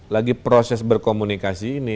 lagi proses berkomunikasi ini